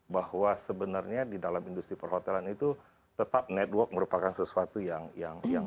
bahwa sebenarnya di dalam industri perhotelan itu tetap network merupakan sesuatu yang